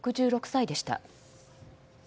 ６６歳でした。